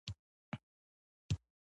انتي فریز د یخ ضد په نامه یو مایع ده.